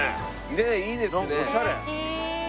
ねえいいですね。